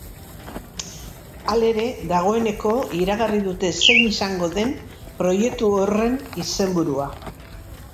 Halere, dagoeneko iragarri dute zein izango den proiektu horren izenburua.